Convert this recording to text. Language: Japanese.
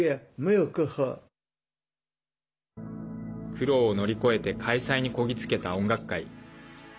苦労を乗り越えて開催にこぎ着けた音楽会。